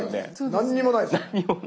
何にもないです。